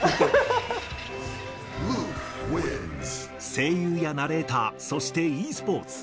声優やナレーター、そしてｅスポーツ。